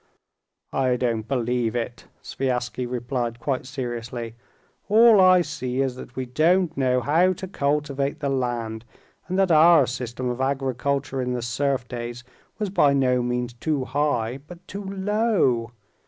"I don't believe it," Sviazhsky replied quite seriously; "all I see is that we don't know how to cultivate the land, and that our system of agriculture in the serf days was by no means too high, but too low.